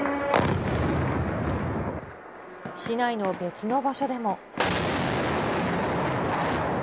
市内の別の場所でも。